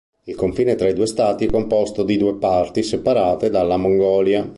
Il confine tra i due stati è composto di due parti separate dalla Mongolia.